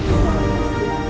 terima kasih ya bu